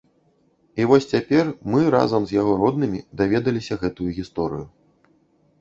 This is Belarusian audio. І вось цяпер мы, разам з яго роднымі, даведаліся гэтую гісторыю.